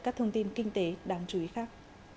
các thông tin kinh tế đáng chú ý khác